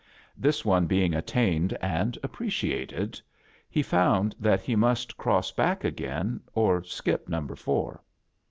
This one being attained and appreciated, he found that he must cross back again or skip number four.